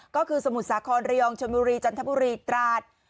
ก็คือสมุดสาขนเรียองชมูรีจันทบุรีตราศ